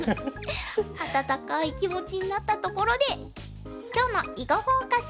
温かい気持ちになったところで今日の「囲碁フォーカス」